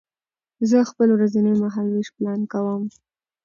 زه خپل ورځنی مهالوېش پلان کوم.